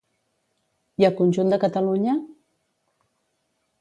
I al conjunt de Catalunya?